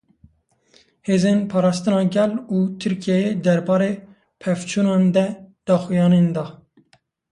Hêzên Parastina Gel û Tirkiyeyê derbarê pevçûnan de daxuyanî dan.